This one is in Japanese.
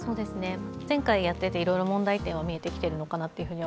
前回やっていて、いろいろ問題点が見えてきているのかなと。